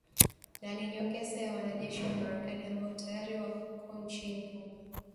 Na ni nyongeza ya wanajeshi wa Marekani ambao tayari wako nchini humo